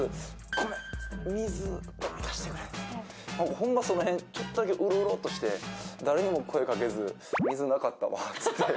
ホンマ、その辺、ちょっとだけうろうろして、誰にも声かすず、水なかったわと。